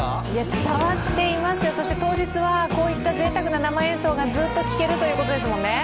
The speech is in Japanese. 伝わっています、そして当日はこういったぜいたくな生演奏がずっと聴けるということですもんね。